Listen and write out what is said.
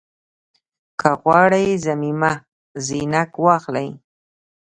که غواړئ ضمیمه زېنک واخلئ